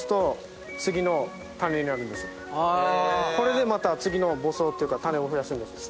これでまた次の母藻っていうか種を増やすんですよ。